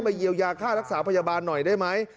เยียวยาค่ารักษาพยาบาลหน่อยได้ไหม